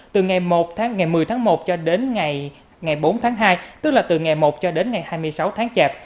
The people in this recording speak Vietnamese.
từ ngày một mươi tháng một cho đến ngày bốn tháng hai tức là từ ngày một cho đến ngày hai mươi sáu tháng chạp